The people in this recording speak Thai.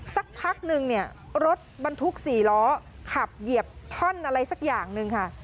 สักพักนึงเนี่ยรถบรรทุก๔ล้อขับเหยียบท่อนอะไรสักอย่างหนึ่งค่ะ